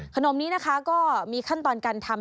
ขนมนี้นะคะก็มีขั้นตอนการทำ